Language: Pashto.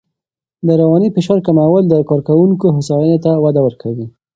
د رواني فشار کمول د کارکوونکو هوساینې ته وده ورکوي.